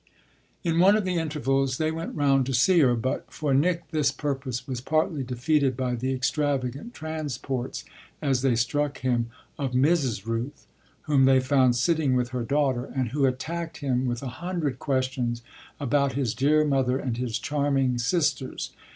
In one of the intervals they went round to see her; but for Nick this purpose was partly defeated by the extravagant transports, as they struck him, of Mrs. Rooth, whom they found sitting with her daughter and who attacked him with a hundred questions about his dear mother and his charming sisters.